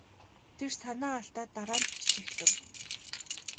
Тэр санаа алдаад дараа нь бичиж эхлэв.